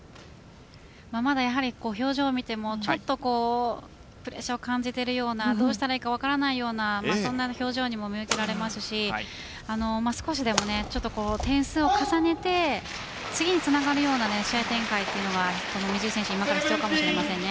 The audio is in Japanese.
まだ表情を見てもちょっとプレッシャーを感じているようなどうしたらいいか分からないような表情にも見受けられますし少しでも点数を重ねて次につながるような試合展開というのが水井選手、必要かもしれませんね。